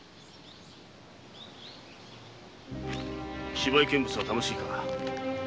芝居見物は楽しいか？